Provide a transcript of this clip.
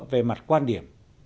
về mặt quan điểm